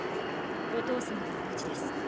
お父様がお待ちです。